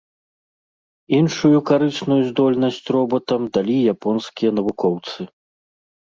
Іншую карысную здольнасць робатам далі японскія навукоўцы.